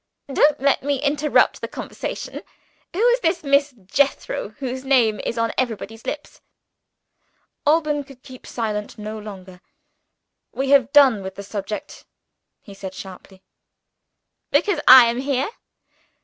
"Don't let me interrupt the conversation. Who is this Miss Jethro, whose name is on everybody's lips?" Alban could keep silent no longer. "We have done with the subject," he said sharply. "Because I am here?"